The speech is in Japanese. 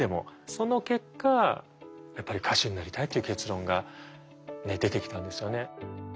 その結果やっぱり歌手になりたいっていう結論が出てきたんですよね。